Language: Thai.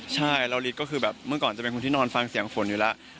ใช่แล้วฤทธิ์ก็คือแบบเมื่อก่อนจะเป็นคนที่นอนฟังเสียงฝนอยู่แล้ว